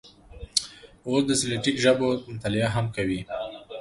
اوس د سلټیک ژبو مطالعه هم کوي.